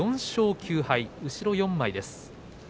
４勝９敗後ろ４枚です。